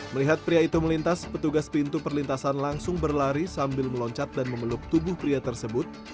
melihat pria itu melintas petugas pintu perlintasan langsung berlari sambil meloncat dan memeluk tubuh pria tersebut